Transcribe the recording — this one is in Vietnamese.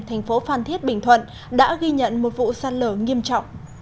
thành phố phan thiết bình thuận đã ghi nhận một vụ sạt lở nghiêm trọng